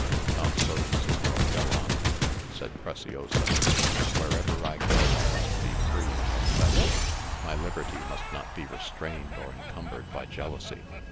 "Not so, señor gallant," said Preciosa: "wherever I go I must be free and unfettered; my liberty must not be restrained or encumbered by jealousy.